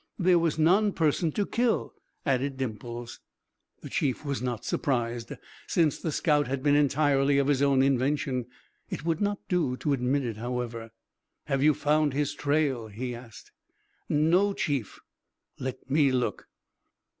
"There was none person to kill," added Dimples. The Chief was not surprised, since the scout had been entirely of his own invention. It would not do to admit it, however. "Have you found his trail?" he asked. "No, Chief." "Let me look."